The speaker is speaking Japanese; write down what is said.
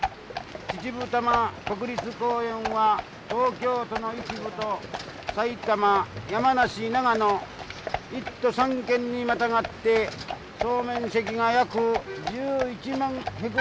秩父多摩国立公園は東京都の一部と埼玉山梨長野一都三県にまたがって総面積が約１１万ヘクタールほどあります。